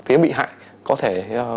phía bị hại có thể